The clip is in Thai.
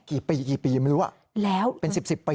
กี่ปีไม่รู้ว่าเป็น๑๐ปีหรือเปล่า